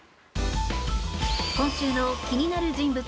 今週の気になる人物